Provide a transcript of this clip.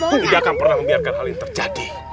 aku tidak akan pernah membiarkan hal ini terjadi